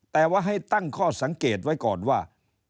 แต่ว่าให้ตั้งข้อสังเกตไว้ก่อนว่า